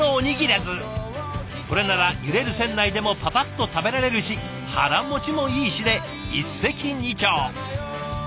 これなら揺れる船内でもパパッと食べられるし腹もちもいいしで一石二鳥。